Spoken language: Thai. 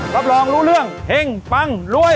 รับรองรู้เรื่องเฮ่งปังรวย